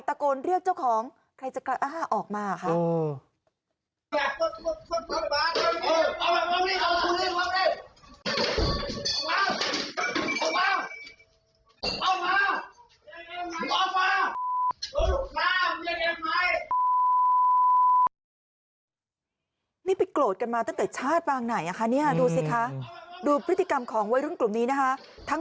ตะโกนเรียกเจ้าของใครจะกล้าออกมาคะ